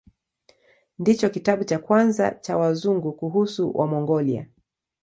Ndicho kitabu cha kwanza cha Wazungu kuhusu Wamongolia.